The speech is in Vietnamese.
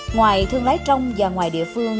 ngoài thương lái trong và ngoài địa phương